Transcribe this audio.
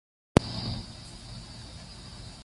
افغانستان د چار مغز له امله شهرت لري.